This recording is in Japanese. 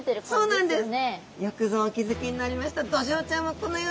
そうなんです。